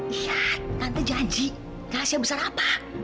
iya tante janji kasih besar apa